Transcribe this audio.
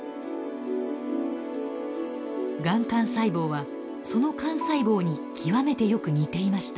がん幹細胞はその幹細胞に極めてよく似ていました。